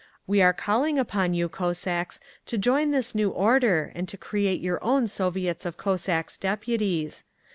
We are calling upon you, Cossacks, to join this new order and to create your own Soviets of Cossacks' Deputies.